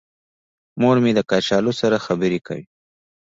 مور مې د کچالو سره خبرې کوي.